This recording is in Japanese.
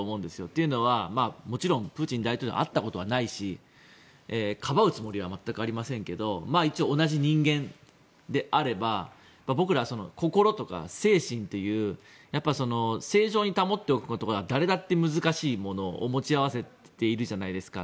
というのは、もちろんプーチン大統領に会ったことはないしかばうつもりは全くありませんが一応、同じ人間であれば僕らは心とか精神という正常に保っておくことが誰だって難しいものを持ち合わせているじゃないですか。